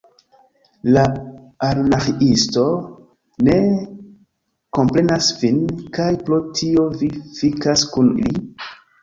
La Anarĥiisto ne komprenas vin, kaj pro tio vi fikas kun li?